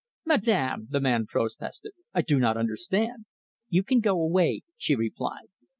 "Madame!" the man protested. "I do not understand." "You can go away," she replied.